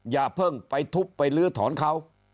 อย่าเพิ่งไปทุบไปลื้อถอนเขา